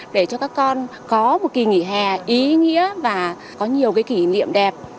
để cho các con có một kỳ nghỉ hè ý nghĩa và có nhiều kỷ niệm đẹp